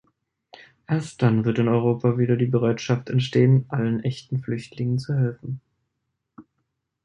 Erst dann wird in Europa wieder die Bereitschaft entstehen, allen echten Flüchtlingen zu helfen.